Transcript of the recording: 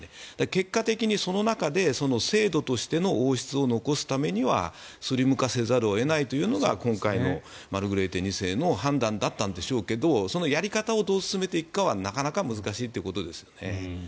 結果的にその中で制度としての王室を残すためにはスリム化せざるを得ないというのが今回のマルグレーテ２世の判断だったんでしょうけどそのやり方をどう進めていくかはなかなか難しいということですよね。